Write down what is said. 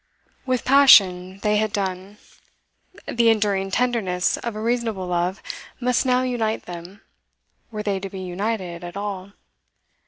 With passion they had done; the enduring tenderness of a reasonable love must now unite them, were they to be united at all.